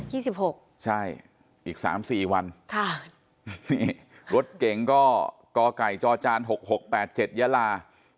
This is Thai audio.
สิบหกใช่อีกสามสี่วันค่ะนี่รถเก๋งก็กไก่จอจานหกหกแปดเจ็ดยาลา